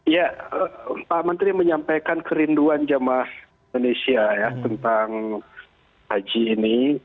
ya pak menteri menyampaikan kerinduan jemaah indonesia ya tentang haji ini